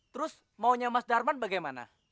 terus maunya mas darman bagaimana